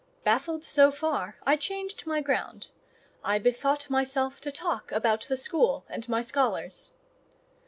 Baffled so far, I changed my ground. I bethought myself to talk about the school and my scholars.